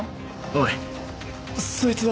おいそいつは。